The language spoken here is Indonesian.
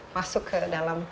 masuk ke dalam